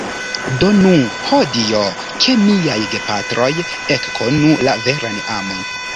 Donu, ho Dio, ke miaj gepatroj ekkonu la veran amon.